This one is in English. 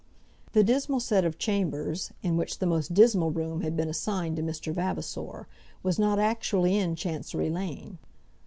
The dismal set of chambers, in which the most dismal room had been assigned to Mr. Vavasor, was not actually in Chancery Lane.